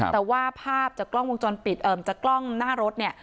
แต่ว่าภาพจากกล้องวงจรปิดเอ่อจากกล้องหน้ารถเนี่ย